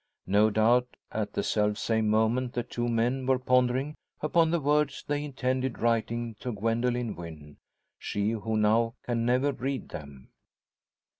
No doubt, at the self same moment the two men were pondering upon the words they intended writing to Gwendoline Wynn she who now can never read them.